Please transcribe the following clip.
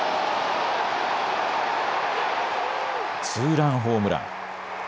ツーランホームラン。